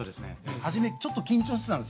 はじめちょっと緊張してたんすよ。